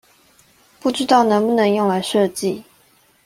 不知道能不能用來設計？